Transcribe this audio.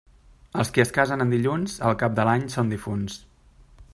Els qui es casen en dilluns, al cap de l'any són difunts.